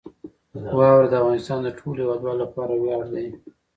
واوره د افغانستان د ټولو هیوادوالو لپاره ویاړ دی.